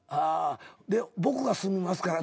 「僕が住みますから」